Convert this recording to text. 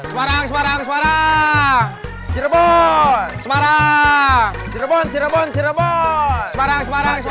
semarang semarang semarang